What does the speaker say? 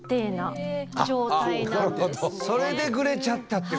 それでグレちゃったってこと。